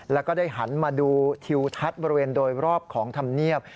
แล้วก็ได้หันมาดูทิวทัศน์บริเวณโดยรอบของธรรมเนียบ